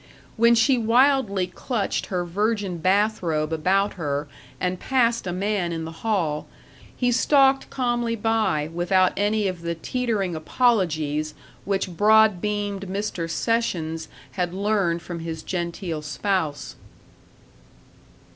When she wildly clutched her virgin bathrobe about her and passed a man in the hall, he stalked calmly by without any of the teetering apologies which broad beamed Mr. Sessions had learned from his genteel spouse.